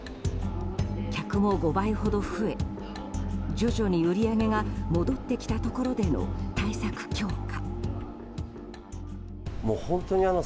客も５倍ほど増え徐々に売り上げが戻ってきたところでの対策強化。